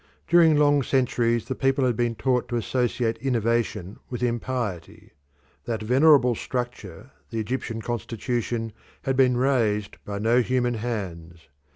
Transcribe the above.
During long centuries the people had been taught to associate innovation with impiety. That venerable structure the Egyptian constitution had been raised by no human hands.